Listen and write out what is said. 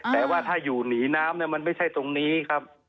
แต่ว่าถ้าอยู่หนีน้ำมันไม่ใช่ตรงนี้ครับ